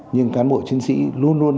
nhưng cán bộ chiến sĩ luôn luôn